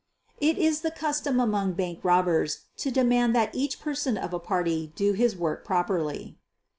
It is the custom among bank robbers to demand that each member of a party do his work properly.